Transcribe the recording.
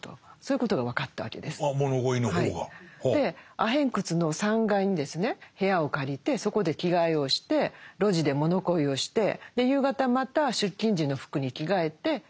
アヘン窟の３階にですね部屋を借りてそこで着替えをして路地で物乞いをして夕方また出勤時の服に着替えて帰宅と。